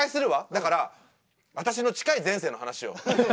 だから私の近い前世の話よ。